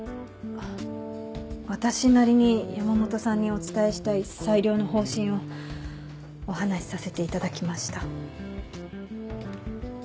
私なりに山本さんにお伝えしたい最良の方針をお話しさせていただきました。